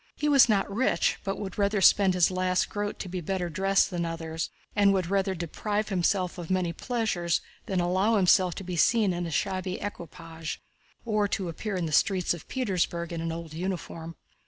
He was not rich, but would spend his last groat to be better dressed than others, and would rather deprive himself of many pleasures than allow himself to be seen in a shabby equipage or appear in the streets of Petersburg in an old uniform.